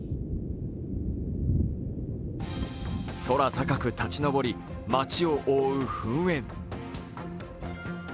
空高く立ち上り、町を覆う噴煙。